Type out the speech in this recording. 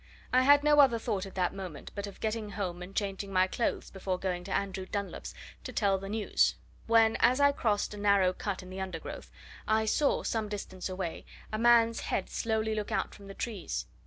I had no other thought at that moment but of getting home and changing my clothes before going to Andrew Dunlop's to tell the news when, as I crossed a narrow cut in the undergrowth, I saw, some distance away, a man's head slowly look out from the trees.